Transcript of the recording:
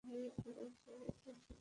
আম্মি, আপনি গল্প বলছেন?